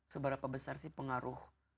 seberapa besar sih pengaruh